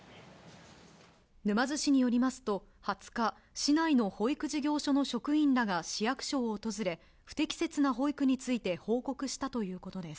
沼津市によりますと、２０日、市内の保育事業所の職員らが市役所を訪れ、不適切な保育について報告したということです。